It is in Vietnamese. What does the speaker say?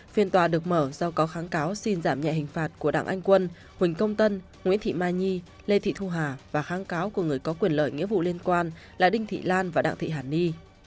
phiên tòa được mở do có kháng cáo xin giảm nhẹ hình phạt của đảng anh quân huỳnh công tân nguyễn thị mai nhi lê thị thu hà và kháng cáo của người có quyền lợi nghĩa vụ liên quan là đinh thị lan và đặng thị hàn ni